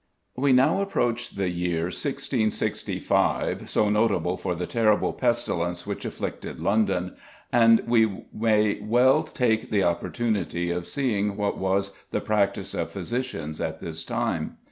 We now approach the year 1665, so notable for the terrible pestilence which afflicted London, and we may well take the opportunity of seeing what was the practice of physicians at this time.